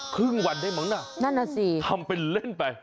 ครึ่งวันได้เหมือนกันนั่นอ่ะสิทำเป็นเล่นไป